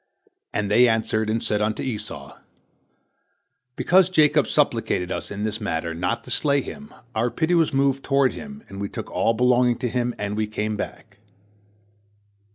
And they answered, and said unto Esau, "Because Jacob supplicated us in this matter, not to slay him, our pity was moved toward him, and we took all belonging to him, and we came back."